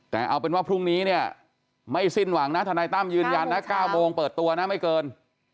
แต่เอาเป็นว่าพรุ่งนี้เนี่ยไม่สิ้นหวังนะทนายตั้มยืนยันนะ๙โมงเปิดตัวนะไม่เกิน